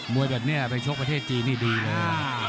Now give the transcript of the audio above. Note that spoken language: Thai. วยแบบนี้ไปชกประเทศจีนนี่ดีนะ